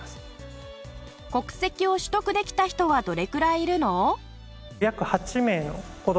国籍を取得できた人はどれくらいいるの？